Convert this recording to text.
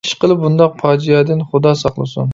ئىشقىلىپ بۇنداق پاجىئە دىن خۇدا ساقلىسۇن!